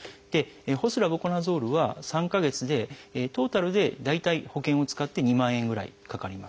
ホスラブコナゾールは３か月でトータルで大体保険を使って２万円ぐらいかかります。